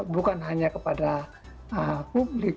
bukan hanya kepada publik